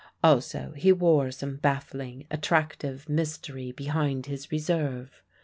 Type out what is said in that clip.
Also he wore some baffling, attractive mystery behind his reserve.